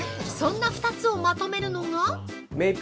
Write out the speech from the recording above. そんな２つをまとめるのが◆